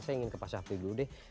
saya ingin ke pak syafi dulu deh